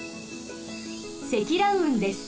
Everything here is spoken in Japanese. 積乱雲です。